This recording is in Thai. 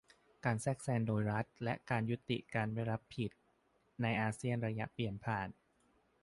การแทรกแซงโดยรัฐ และการยุติการไม่รับผิด ในอาเซียนระยะเปลี่ยนผ่าน